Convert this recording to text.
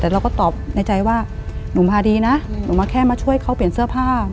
แต่เราก็ตอบในใจว่าหนูมาดีนะหนูมาแค่มาช่วยเขาเปลี่ยนเสื้อผ้า